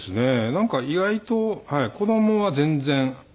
なんか意外と子供は全然。